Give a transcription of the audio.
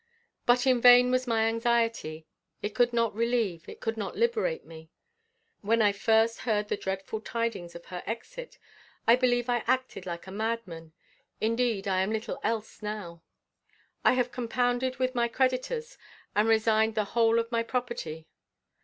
But in vain was my anxiety; it could not relieve, it could not liberate me. When I first heard the dreadful tidings of her exit, I believe I acted like a madman; indeed, I am little else now. I have compounded with my creditors, and resigned the whole of my property.